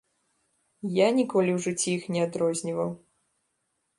Я ніколі ў жыцці іх не адрозніваў.